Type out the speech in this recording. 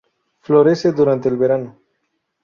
Florece durante el verano.